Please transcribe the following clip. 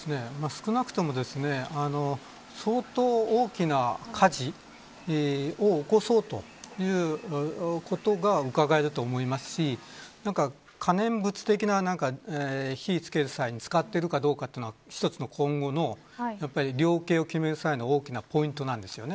少なくともですね相当大きな火事を起こそうということがうかがえると思いますし何か可燃物的な火をつける際に使っているかどうかというのは一つの今後の量刑を決める際の大きなポイントなんです。